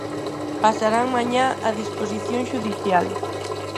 Pasarán mañá a disposición xudicial.